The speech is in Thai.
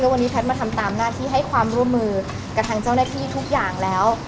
วันนี้แพทย์มาทำตามหน้าที่ให้ความร่วมมือกับทางเจ้าหน้าที่ทุกอย่างแล้ว